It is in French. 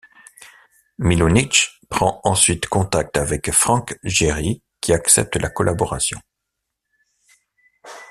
Milunić prend ensuite contact avec Frank Gehry qui accepte la collaboration.